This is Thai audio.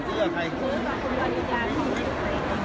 ซื้อกับกรณาบริยา